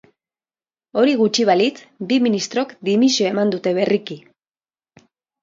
Hori gutxi balitz, bi ministrok dimisioa eman dute berriki.